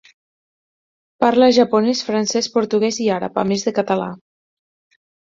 Parla japonès, francès, portuguès i àrab, a més de català.